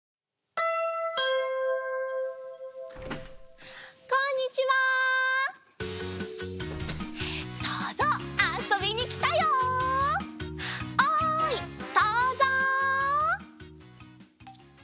おいそうぞう！